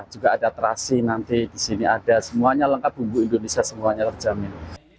juga ada terasi nanti di sini ada semuanya lengkap bumbu indonesia semuanya terjamin